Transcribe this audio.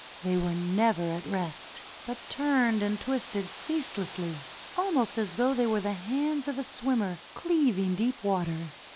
They were never at rest, but turned and twisted ceaselessly, almost as though they were the hands of a swimmer cleaving deep water.